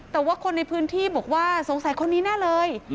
แต่ว่าคนในพื้นที่บอกว่าสงสัยคนนี้แน่เลย